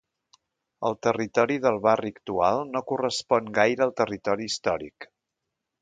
El territori del barri actual no correspon gaire al territori històric.